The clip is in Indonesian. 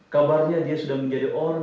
kabarnya dia sudah menjadi orang